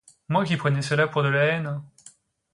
Moi qui prenais cela pour de la haine!